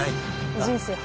人生初。